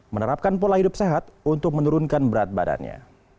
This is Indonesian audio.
menerapkan pola hidup sehat untuk menurunkan berat badannya